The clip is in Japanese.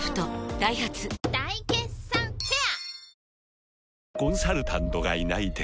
ダイハツ大決算フェア